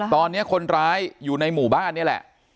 ตอนนี้คนร้ายอยู่ในหมู่บ้านนี่แหละ